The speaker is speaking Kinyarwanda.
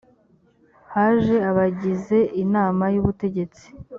haje abagize inama y ‘ubutegetsi